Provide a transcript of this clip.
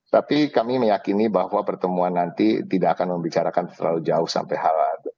tapi kami meyakini bahwa pertemuan nanti tidak akan membicarakan terlalu jauh sampai hal hal